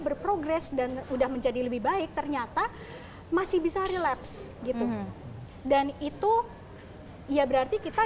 berprogres dan udah menjadi lebih baik ternyata masih bisa relapse gitu dan itu ya berarti kita